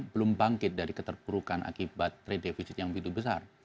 belum bangkit dari keterpurukan akibat trade defisit yang begitu besar